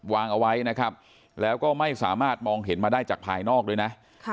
วางเอาไว้นะครับแล้วก็ไม่สามารถมองเห็นมาได้จากภายนอกด้วยนะ